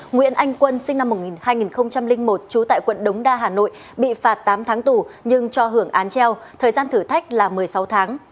nguyễn anh quân sinh năm một nghìn một trú tại quận đống đa hà nội bị phạt tám tháng tù nhưng cho hưởng án treo thời gian thử thách là một mươi sáu tháng